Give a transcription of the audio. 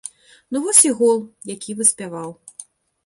Ну вось і гол, які выспяваў.